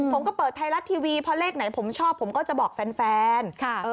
ผมก็เปิดไทยรัฐทีวีพอเลขไหนผมชอบผมก็จะบอกแฟน